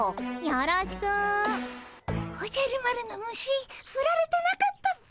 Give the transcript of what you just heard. おじゃる丸の虫ふられてなかったっピ。